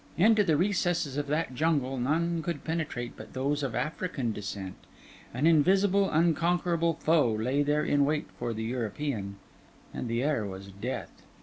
Into the recesses of that jungle, none could penetrate but those of African descent; an invisible, unconquerable foe lay there in wait for the European; and the air was death.